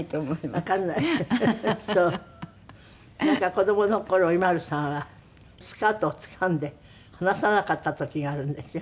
子供の頃ＩＭＡＬＵさんはスカートをつかんで離さなかった時があるんですよ。